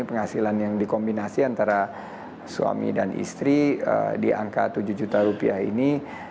penghasilan yang dikombinasi antara suami dan istri di angka tujuh juta rupiah ini